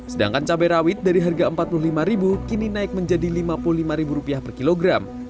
sedangkan cabai rawit dari harga rp empat puluh lima kini naik menjadi rp lima puluh lima per kilogram